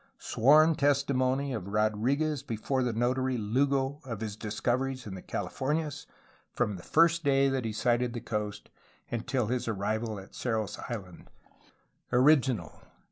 [Sworn testimony of Rodriguez before the notary Lugo of his discoveries in the Californias from the first day that he sighted the coast until his arrival at Cerros Island]. Original.